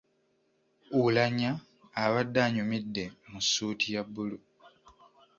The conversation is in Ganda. Oulanyah abadde anyumidde mu ssuuti ya bbulu.